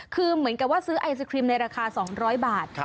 คือเหมือนกับว่าซื้อไอศครีมในราคา๒๐๐บาท